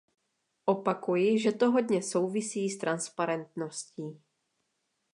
Opakuji, že to hodně souvisí s transparentností.